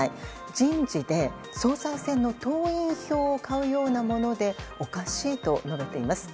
人事で総裁選の党員票を買うようなものでおかしいと述べています。